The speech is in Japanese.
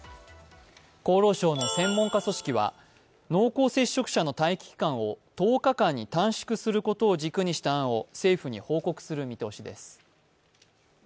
厚労省の専門家組織は濃厚接触者の待機期間を１０日間に短縮することを軸にした案を政府に報告する見通しです。